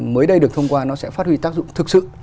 mới đây được thông qua nó sẽ phát huy tác dụng thực sự